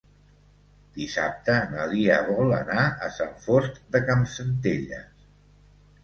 Dissabte na Lia vol anar a Sant Fost de Campsentelles.